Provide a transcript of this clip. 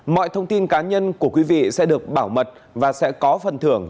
mọi thông tin cá nhân của quý vị sẽ được bảo mật và sẽ có phần thưởng